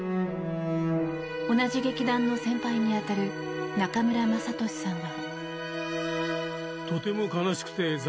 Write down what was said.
同じ劇団の先輩に当たる中村雅俊さんは。